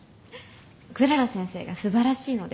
クララ先生がすばらしいので。